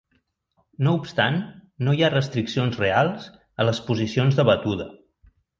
No obstant, no hi ha restriccions reals a les posicions de batuda.